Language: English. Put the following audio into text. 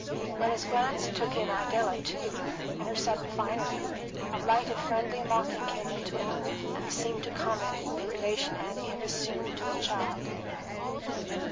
When his glance took in Idella too, in her sudden finery, a light of friendly mocking came into it, and seemed to comment the relation Annie had assumed to the child.